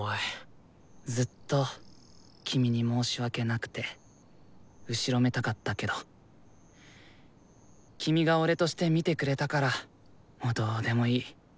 ずっと君に申し訳なくて後ろめたかったけど君が俺として見てくれたからもうどうでもいい。